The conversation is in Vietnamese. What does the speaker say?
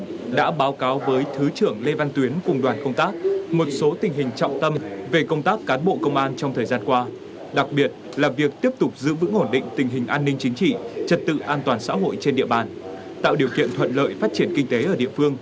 tỉnh ủy đã báo cáo với thứ trưởng lê văn tuyến cùng đoàn công tác một số tình hình trọng tâm về công tác cán bộ công an trong thời gian qua đặc biệt là việc tiếp tục giữ vững ổn định tình hình an ninh chính trị trật tự an toàn xã hội trên địa bàn tạo điều kiện thuận lợi phát triển kinh tế ở địa phương